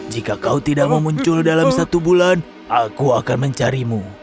jika kau tidak memuncul dalam satu bulan aku akan mencarimu